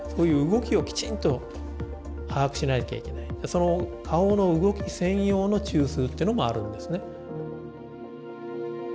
その顔の動き専用の中枢っていうのもあるんですね。